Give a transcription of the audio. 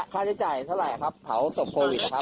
ค่าใช้จ่ายเท่าไหร่ครับเผาศพโควิดนะครับ